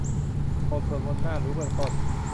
บทสวดมนต์น่ารู้เบื้องต้น